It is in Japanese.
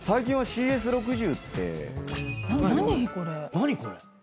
何これ？